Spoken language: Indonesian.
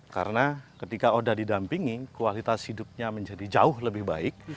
karena ketika oda didampingi kualitas hidupnya menjadi jauh lebih baik